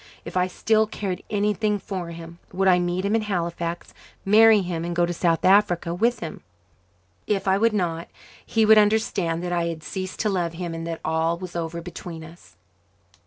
If I still cared anything for him, would I meet him in Halifax, marry him, and go to South Africa with him? If I would not, he would understand that I had ceased to love him and that all was over between us.